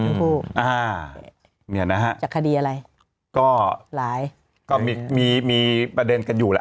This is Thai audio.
อ่าเนี่ยนะฮะจากคดีอะไรก็หลายก็มีมีประเด็นกันอยู่แหละ